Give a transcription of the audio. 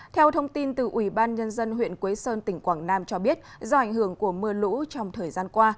theo thông tin từ ủy ban nhân dân huyện quế sơn tỉnh quảng nam cho biết do ảnh hưởng của mưa lũ trong thời gian qua